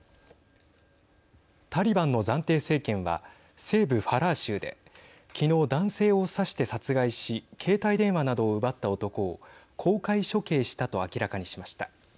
タリバンの暫定政権は西部ファラー州で昨日、男性を刺して殺害し携帯電話などを奪った男を公開処刑したと明らかにしました。